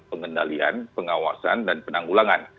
pengendalian pengawasan dan penanggulangan